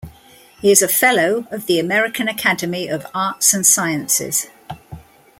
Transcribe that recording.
He is a fellow of the American Academy of Arts and Sciences.